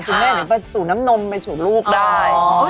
คือแม่หนีไปสู่น้ำนมไปสู่ลูกได้